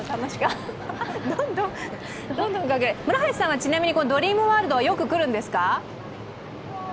村橋さんは、ドリームワールドはよく来るんですか？